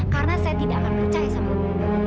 karena saya tidak akan percaya sama ibu